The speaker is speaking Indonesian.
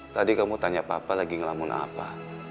tadi kamu tanya papa lagi ngelamun apa